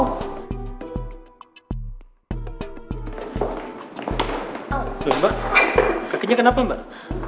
loh mbak kakinya kenapa mbak